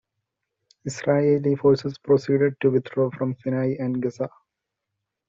Israeli forces proceeded to withdraw from Sinai and Gaza.